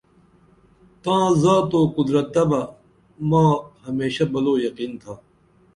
تاں زاتو قدرت تہ بہ ماں ہمیشہ بلو یقین تھا